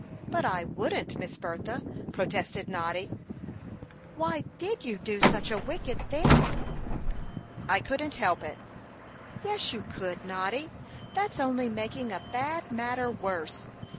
"But I wouldn't, Miss Bertha," protested Noddy. "Why did you do such a wicked thing?" "I couldn't help it." "Yes, you could, Noddy. That's only making a bad matter worse.